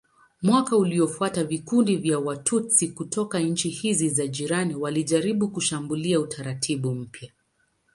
Mwaka uliofuata vikundi vya Watutsi kutoka nchi hizi za jirani walijaribu kushambulia utaratibu mpya.